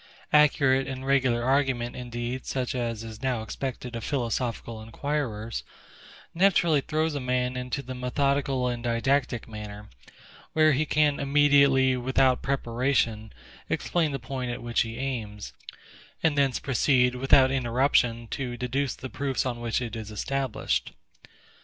Accurate and regular argument, indeed, such as is now expected of philosophical inquirers, naturally throws a man into the methodical and didactic manner; where he can immediately, without preparation, explain the point at which he aims; and thence proceed, without interruption, to deduce the proofs on which it is established.